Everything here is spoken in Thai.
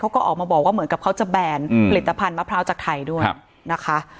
เขาก็ออกมาบอกว่าเหมือนกับเขาจะแบนผลิตภัณฑ์มะพร้าวจากไทยด้วยนะคะ